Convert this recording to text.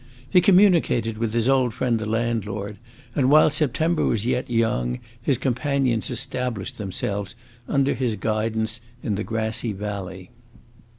He communicated with his old friend the landlord, and, while September was yet young, his companions established themselves under his guidance in the grassy valley.